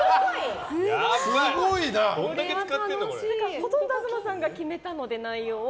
ほとんど東さんが決めたので内容を。